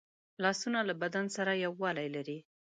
لاسونه له بدن سره یووالی لري